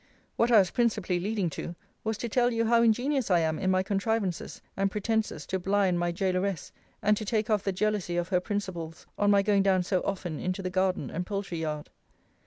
What I was principally leading to, was to tell you how ingenious I am in my contrivances and pretences to blind my gaoleress, and to take off the jealousy of her principals on my going down so often into the garden and poultry yard.